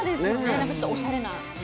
なんかちょっとおしゃれなお野菜で。